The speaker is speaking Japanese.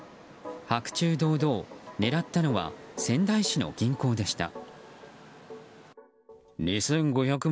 白昼堂々狙ったのは仙台市の銀行でした。